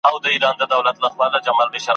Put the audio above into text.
که پر مځکه ګرځېدل که په هوا وه `